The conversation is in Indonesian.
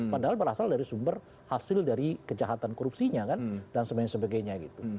padahal berasal dari sumber hasil dari kejahatan korupsinya kan dan sebagainya gitu